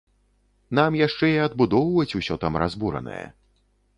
Нам яшчэ і адбудоўваць усё там разбуранае!